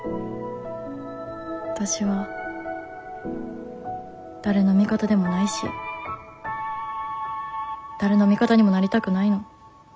わたしは誰の味方でもないし誰の味方にもなりたくないの。